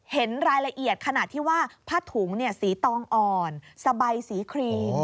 เห็นรายละเอียดขนาดที่ว่าผ้าถุงสีตองอ่อนสบายสีครีม